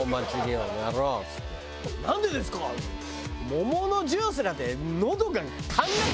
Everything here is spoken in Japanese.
「桃のジュースなんて喉が」。